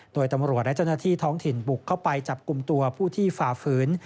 โดยตำรวจและเจ้าหน้าที่ท้องถิ่นบุกเข้าไปจับกลุ่มตัวผู้ที่ฝ่าฝืน